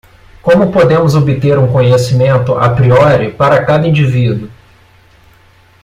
Como podemos obter um conhecimento a priori para cada indivíduo?